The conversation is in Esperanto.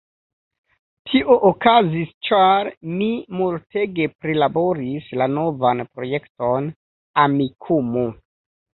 Tio okazis ĉar mi multege prilaboris la novan projekton, "Amikumu"